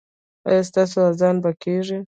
ایا ستاسو اذان به کیږي؟